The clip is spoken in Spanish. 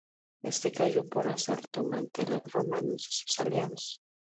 Este cayó por asalto ante los romanos y sus aliados.